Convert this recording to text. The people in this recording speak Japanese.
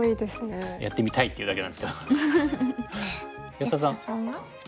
安田さんは？